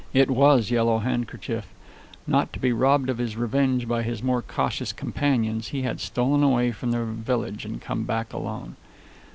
It was Yellow Handkerchief. Not to be robbed of his revenge by his more cautious companions, he had stolen away from the village and come back alone.